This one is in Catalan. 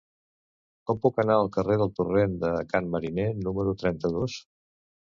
Com puc anar al carrer del Torrent de Can Mariner número trenta-dos?